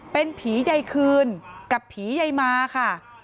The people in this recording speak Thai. เป็นผีใยคืนกับผีใยมาค่ะ